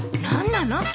何なの？